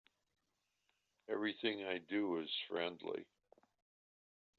Everything I do is friendly.